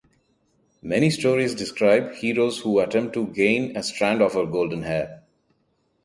Many stories describe heroes who attempt to gain a strand of her golden hair.